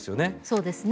そうですね。